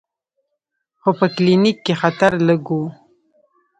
خو په کلینیک کې خطر لږ و.